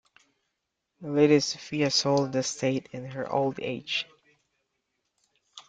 Lady Sophia sold the estate in her old age.